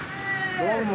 どうも！